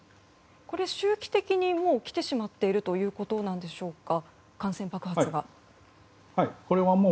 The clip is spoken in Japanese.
周期的にもう来てしまっているということなんでしょうか。